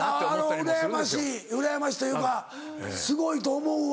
うらやましいうらやましいというかすごいと思うわ。